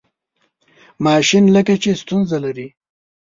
ماشین لکه چې ستونزه لري.